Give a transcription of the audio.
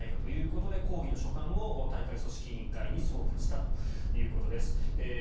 抗議の書簡を大会組織委員会に送付したということです。